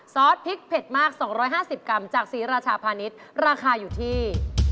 ซอสพริกเผ็ดมาก๒๕๐กรัมจากศรีราชาพาณิชย์ราคาอยู่ที่